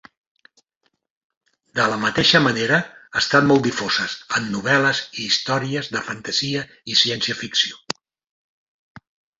De la mateixa manera, estan molt difoses en novel·les i històries de fantasia i ciència ficció.